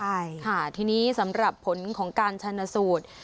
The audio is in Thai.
ใช่ค่ะทีนี้สำหรับผลของการชนสูตร